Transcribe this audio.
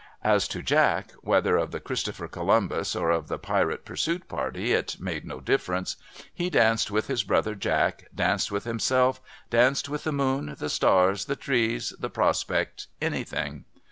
As to Jack (whether of the Christopher Columbus, or of the Pirate pursuit party, it made no difference), he danced with his brother Jack, danced with himself, danced with the moon, the stars, the trees, the prospect, anything.